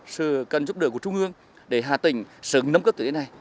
sự cần giúp đỡ của trung ương để hà tĩnh sớm nâng cấp tuyến đê này